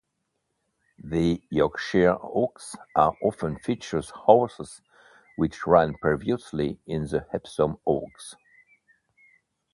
The Yorkshire Oaks often features horses which ran previously in the Epsom Oaks.